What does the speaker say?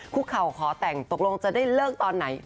เข่าขอแต่งตกลงจะได้เลิกตอนไหน